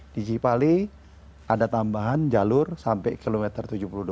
di cipali ada tambahan jalur sampai kilometer tujuh puluh dua